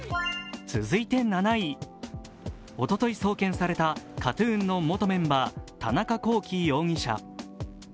続いて７位、おととい送検されたＫＡＴ−ＴＵＮの元メンバー・田中聖容疑者。